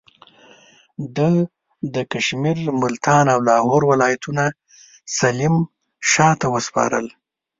ده د کشمیر، ملتان او لاهور ولایتونه سلیم شاه ته وسپارل.